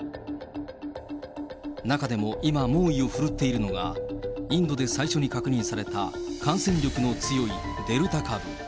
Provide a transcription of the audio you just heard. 中でも今、猛威を振るっているのが、インドで最初に確認された感染力の強いデルタ株。